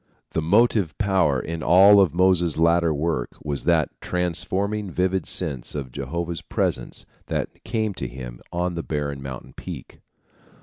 The motive power in all of Moses' later work was that transforming, vivid sense of Jehovah's presence that came to him on the barren mountain peak.